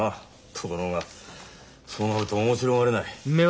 ところがそうなると面白がれない。